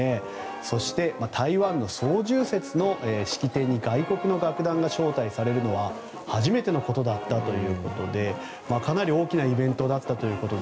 そして、台湾の双十節の式典に外国の楽団が招待されるのは初めてのことだったということでかなり大きなイベントだったと。